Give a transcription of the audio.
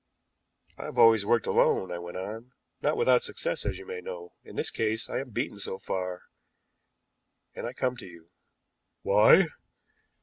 "I have always worked alone," I went on, "not without success, as you may know. In this case I am beaten so far, and I come to you." "Why?"